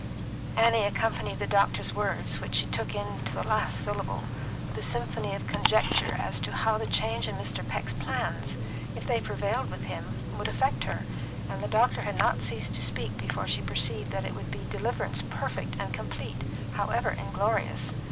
Annie accompanied the doctor's words, which she took in to the last syllable, with a symphony of conjecture as to how the change in Mr. Peck's plans, if they prevailed with him, would affect her, and the doctor had not ceased to speak before she perceived that it would be deliverance perfect and complete, however inglorious.